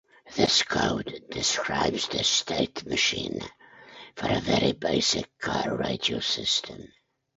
This code describes the state machine for a very basic car radio system.